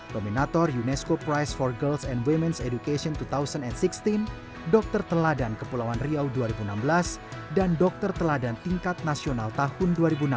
dominator unesco price for girls and ⁇ womens ⁇ education dua ribu enam belas dokter teladan kepulauan riau dua ribu enam belas dan dokter teladan tingkat nasional tahun dua ribu enam belas